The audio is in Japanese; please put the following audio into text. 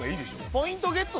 ポイントゲット